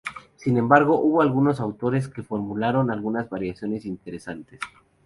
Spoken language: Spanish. Sin embargo, hubo algunos autores que formularon algunas variaciones interesantes.